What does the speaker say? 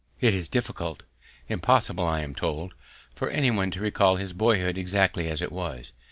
It is difficult, impossible I am told, for any one to recall his boyhood exactly as it was.